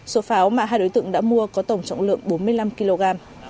số pháo mà hai đối tượng đã mua có tổng trọng lượng bốn mươi năm kg